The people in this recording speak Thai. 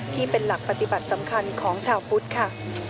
ที่เป็นหลักปฏิบัติสำคัญของชาวพุทธค่ะ